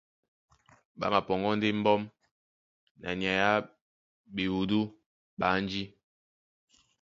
Ɓá mapɔŋgɔ́ ndé mbɔ́m na nyay á ɓewudú ɓé ánjí,